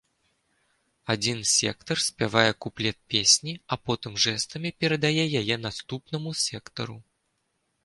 Адзін сектар спявае куплет песні, а потым жэстамі перадае яе наступнаму сектару.